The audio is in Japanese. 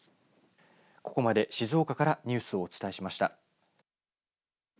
ここまで静岡からニュースをお伝えしました。